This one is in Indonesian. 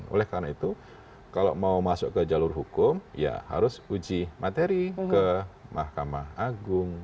oleh karena itu kalau mau masuk ke jalur hukum ya harus uji materi ke mahkamah agung